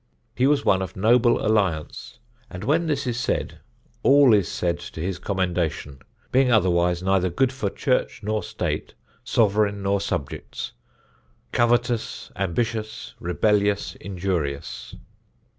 He was one of Noble Alliance. And when this is said, all is said to his commendation, being otherwise neither good for Church nor State, Soveraign nor Subjects; Covetous, Ambitious, Rebellious, Injurious.